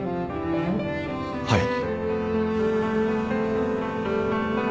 はい